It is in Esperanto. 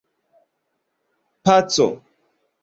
paco